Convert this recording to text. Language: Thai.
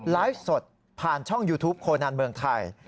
ไลฟ์สดผ่านช่องยูทูปโคนันเมืองไทย